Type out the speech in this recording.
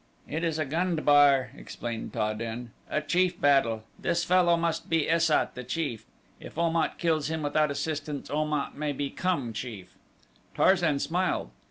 "It is a gund bar," explained Ta den, "a chief battle. This fellow must be Es sat, the chief. If Om at kills him without assistance Om at may become chief." Tarzan smiled.